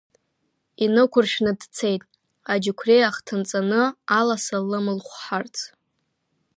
Инықәыршәны дцеит, аџьықәреи ахҭынҵаны аласа лымылхәҳарц.